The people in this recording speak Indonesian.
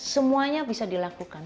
semuanya bisa dilakukan